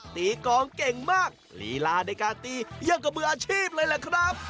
ตีกองเก่งมากลีลาในการตียังกับมืออาชีพเลยแหละครับ